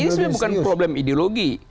ini sebenarnya bukan problem ideologi